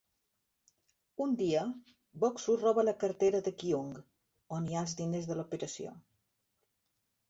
Un dia, Bok-su roba la cartera de Kyung, on hi ha els diners de l'operació.